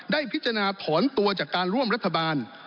ได้พิจารณาถอนตัวจากการร่วมรัฐบาล